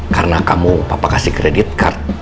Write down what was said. karena kamu papa kasih credit card